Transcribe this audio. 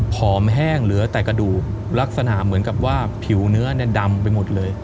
ผอมแห้งเหลือแต่กระดูกลักษณะเหมือนกับว่าผิวเนื้อดำไปหมดเลย